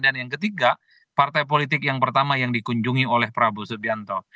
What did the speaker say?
dan yang ketiga partai politik yang pertama yang dikunjungi oleh prabowo subianto